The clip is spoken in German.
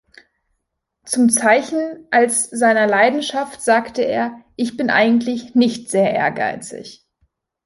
Zum Zeichnen als seiner Leidenschaft sagte er: „"Ich bin eigentlich nicht sehr ehrgeizig.